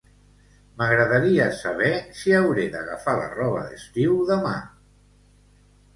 M'agradaria saber si hauré d'agafar la roba d'estiu demà?